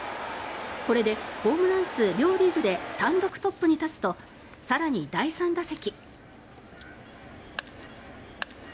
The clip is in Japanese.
これでホームラン数、両リーグで単独トップに立つと更に第３打席。